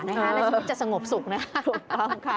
จริงสิจะสงบสุขนะคะ